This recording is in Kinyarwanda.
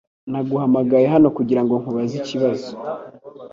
Naguhamagaye hano kugirango nkubaze ikibazo .